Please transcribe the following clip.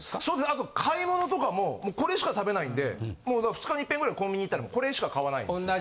あと買い物とかももうこれしか食べないんでもうだから２日にいっぺんぐらいコンビニ行ったらこれしか買わないんですよ。